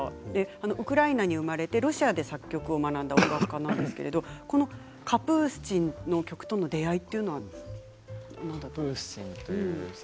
ウクライナに生まれてロシアで作曲を学んだ音楽家なんですけれどもカプースチンの曲との出会いというのは何だったんですか。